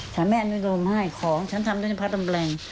แต่แม่มันโดนให้ของฉันทำด้วยในพระตำแปลง